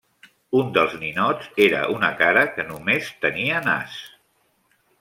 Un dels ninots era una cara que només tenia nas.